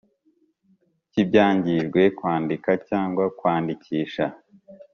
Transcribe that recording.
cy ibyangijwe kwandika cyangwa kwandikisha